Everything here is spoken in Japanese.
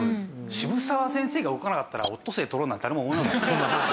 渋沢先生が動かなかったらオットセイ捕ろうなんて誰も思いません。